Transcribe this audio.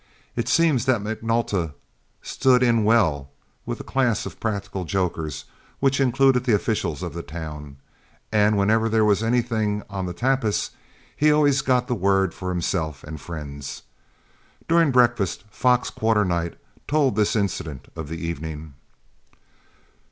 It seems that McNulta stood in well with a class of practical jokers which included the officials of the town, and whenever there was anything on the tapis, he always got the word for himself and friends. During breakfast Fox Quarternight told this incident of the evening.